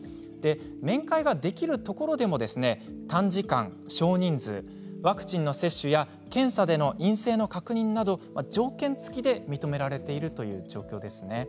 面会ができるところでも短時間、少人数ワクチンの接種や検査での陰性の確認などが条件付きで認められているということです。